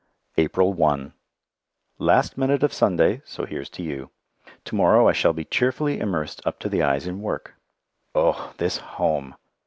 April 1 Last minute of Sunday, so here's to you. To morrow I shall be cheerfully immersed up to the eyes in work. Oh! this Home.